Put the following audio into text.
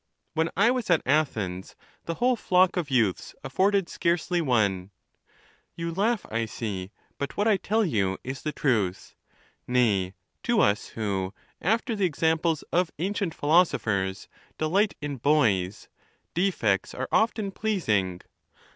When I was at Athens, the whole flock of youths afforded scarcely one. You laugh, I see ; but what I tell you is the truth. Nay, to us who, after the exam ples of ancient philosophers, delight in boys, defects are often pleasing.